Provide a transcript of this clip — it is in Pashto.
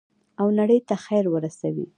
او نړۍ ته خیر ورسوي.